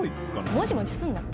もじもじすんなって。